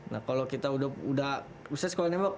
nah kalau kita udah sekolah nembak